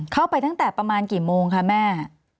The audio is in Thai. เข้าไปตั้งแต่ประมาณกี่โมงคะแม่